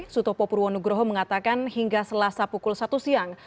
sutopo purwonugroho mengatakan hingga selasa pukul satu siang